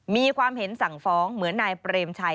มีความเห็นสั่งฟ้องเหมือนนายเปรมชัย